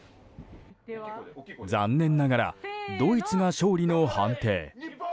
残念ながらドイツが勝利の判定。